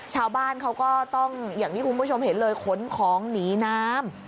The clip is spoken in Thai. ชาวบ้านเขาก็ต้องอย่างที่คุณผู้ชมเห็นเลยขนของหนีน้ำ